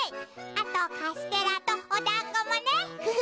あとカステラとおだんごもね。